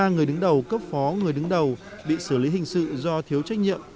ba người đứng đầu cấp phó người đứng đầu bị xử lý hình sự do thiếu trách nhiệm